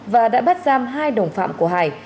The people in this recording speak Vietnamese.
và đã bắt giam hai đồng phạm của hải